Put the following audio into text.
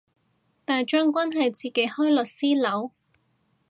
大將軍係自己開律師樓